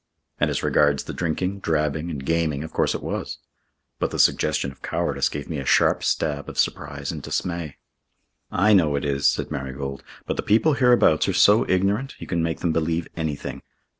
And as regards the drinking, drabbing, and gaming of course it was. But the suggestion of cowardice gave me a sharp stab of surprise and dismay. "I know it is," said Marigold. "But the people hereabouts are so ignorant, you can make them believe anything."